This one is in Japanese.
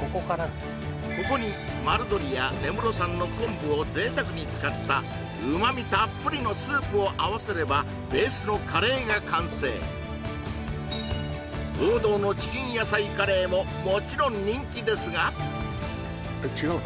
ここに丸鶏や根室産の昆布を贅沢に使った旨味たっぷりのスープを合わせればベースのカレーが完成王道のチキン野菜カレーももちろん人気ですがえっ違うの？